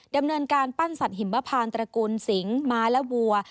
ดำเนินการปั้นสัตวหิมพานตระกูลสิงไม้และวัว